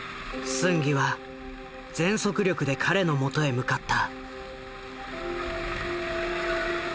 スンギは全速力で彼のもとへ向かった。